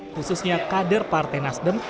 khususnya kader partai nasdem